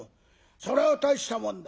それは大したもんだ。